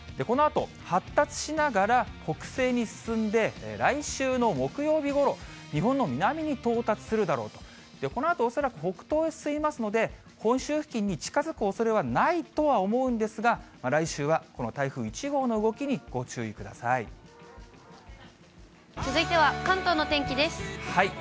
このあと、発達しながら北西に進んで、来週の木曜日ごろ、日本の南に到達するだろうと、このあと、恐らく北東に進みますので、本州付近に近づくおそれはないとは思うんですが、来週はこの台風続いては、関東の天気です。